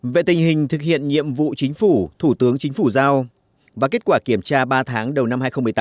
về tình hình thực hiện nhiệm vụ chính phủ thủ tướng chính phủ giao và kết quả kiểm tra ba tháng đầu năm hai nghìn một mươi tám